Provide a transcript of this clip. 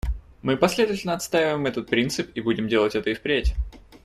Мы последовательно отстаиваем этот принцип и будем делать это и впредь.